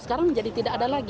sekarang jadi tidak ada lagi